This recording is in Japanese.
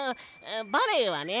バレエはね